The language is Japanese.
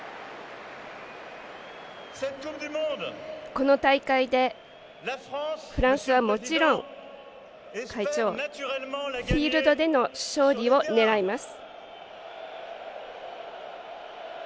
この大会でフランスはもちろんフィールドでの勝利を狙います。